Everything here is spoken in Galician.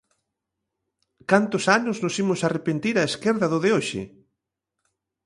Cantos anos nos imos arrepentir a esquerda do de hoxe?